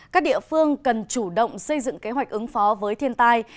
các địa phương cần chủ động xây dựng kế hoạch ứng phó với thiên tai